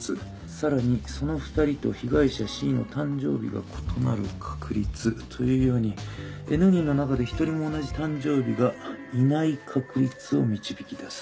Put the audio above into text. さらにその２人と被害者Ｃの誕生日が異なる確率というようにＮ人の中で１人も同じ誕生日がいない確率を導き出す。